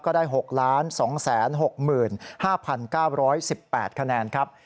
ก็ได้๖๒๖๕๙๑๘คะแนนครับ